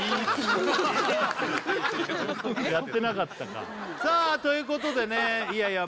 やってなかったかさあということでねいやいや